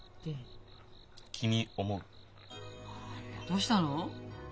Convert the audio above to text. どうしたの？